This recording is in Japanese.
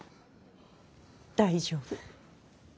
大丈夫。